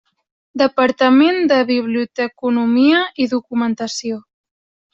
Departament de Biblioteconomia i Documentació.